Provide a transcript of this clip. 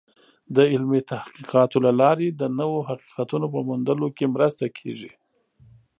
د علمي تحقیقاتو له لارې د نوو حقیقتونو په موندلو کې مرسته کېږي.